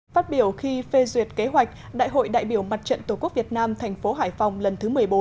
phát biểu khi phê duyệt kế hoạch đại hội đại biểu mặt trận tổ quốc việt nam thành phố hải phòng lần thứ một mươi bốn